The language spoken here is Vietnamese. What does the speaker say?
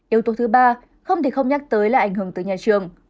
yếu tố thứ ba không thì không nhắc tới là ảnh hưởng tới nhà trường